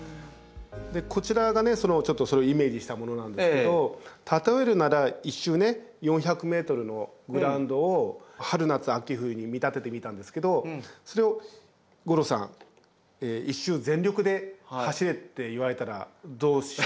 こちらがちょっとそれをイメージしたものなんですけど例えるなら１周４００ｍのグラウンドを春夏秋冬に見立ててみたんですけどそれを吾郎さん１周全力で走れって言われたらどうしますか？